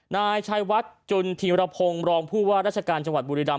นายชายวัดจุนธีมรพงศ์รองผู้ว่าราชการจังหวัดบุรีรำ